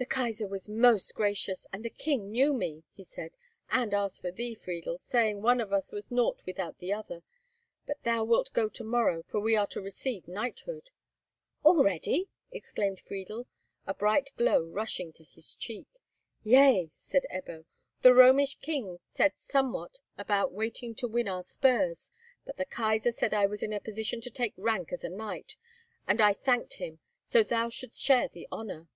"The Kaisar was most gracious, and the king knew me," he said, "and asked for thee, Friedel, saying one of us was nought without the other. But thou wilt go to morrow, for we are to receive knighthood." "Already!" exclaimed Friedel, a bright glow rushing to his cheek. "Yea," said Ebbo. "The Romish king said somewhat about waiting to win our spurs; but the Kaisar said I was in a position to take rank as a knight, and I thanked him, so thou shouldst share the honour."